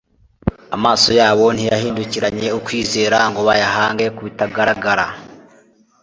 Amaso yabo ntiyahindukiranye ukwizera ngo bayahange ku bitagaragara;